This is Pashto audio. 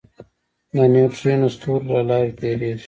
د نیوټرینو ستوري له لارې تېرېږي.